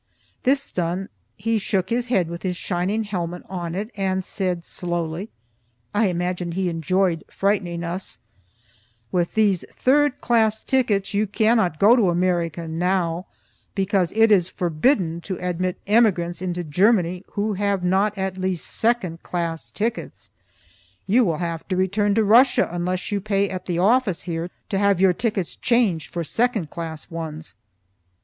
This done, he shook his head with his shining helmet on it, and said slowly (I imagined he enjoyed frightening us), "With these third class tickets you cannot go to America now, because it is forbidden to admit emigrants into Germany who have not at least second class tickets. You will have to return to Russia unless you pay at the office here to have your tickets changed for second class ones."